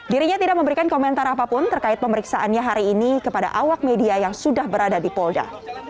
dirinya tidak memberikan komentar apapun terkait pemeriksaannya hari ini kepada awak media yang sudah berada di polda